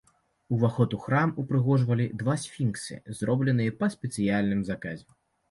Уваход у храм упрыгожвалі два сфінксы, зробленыя па спецыяльным заказе.